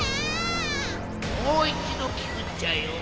もういちどきくっちゃよ。